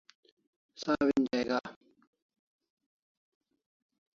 Sawin jaiga